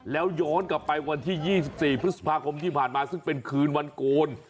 แล้วย้อนกลับไปวันที่๒๔พฤษภาคมที่ผ่านมาซึ่งเป็นคืนวันโกน